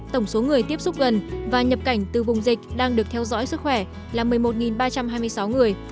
tổng số người tiếp xúc gần và nhập cảnh từ vùng dịch đang được theo dõi sức khỏe là một mươi một ba trăm hai mươi sáu người